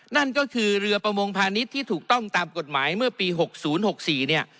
นั่นก็คือเรือประมงพาณิชย์ที่ถูกต้องตามกฎหมายเมื่อปี๖๐๖๔เนี่ย